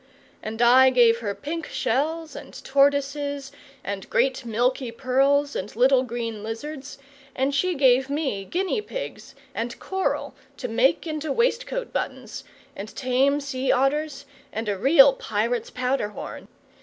And I gave her pink shells and tortoises and great milky pearls and little green lizards; and she gave me guinea pigs, and coral to make into waistcoat buttons, and tame sea otters, and a real pirate's powder horn.